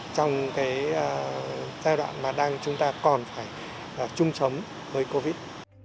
trong cái giai đoạn mà đang chúng ta còn phải chung sống với covid